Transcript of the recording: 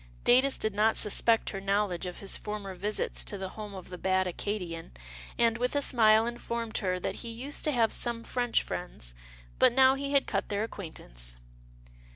Datus did not suspect her knowledge of his for mer visits to the home of the bad Acadian, and, with a smile, informed her that he used to have some French friends, but now he had cut their acquaintance.